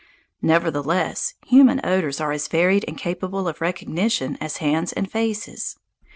Nevertheless, human odours are as varied and capable of recognition as hands and faces.